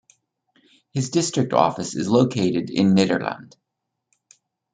His district office is located in Nederland.